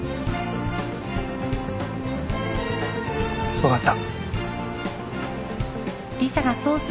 分かった。